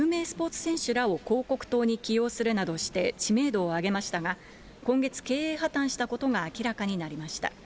ＦＴＸトレーディングは有名スポーツ選手らを広告塔に起用するなどして、知名度を上げましたが、今月経営破綻したことが明らかになりました。